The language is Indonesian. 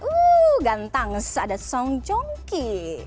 uh ganteng ada song jongki